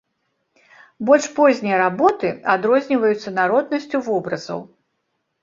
Больш познія работы адрозніваюцца народнасцю вобразаў.